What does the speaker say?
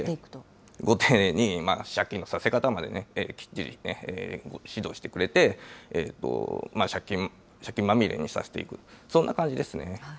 ご丁寧に、借金のさせ方まできっちり指導してくれて、借金まみれにさせていく、そんな感じですね。